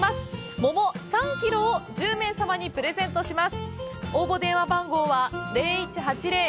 「桃３キロ」を１０名様にプレゼントいたします。